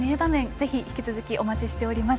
ぜひ、引き続きお待ちしております。